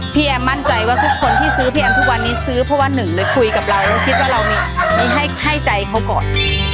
แอมมั่นใจว่าทุกคนที่ซื้อพี่แอมทุกวันนี้ซื้อเพราะว่าหนึ่งเลยคุยกับเราแล้วคิดว่าเราให้ใจเขาก่อน